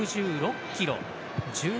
６６キロ。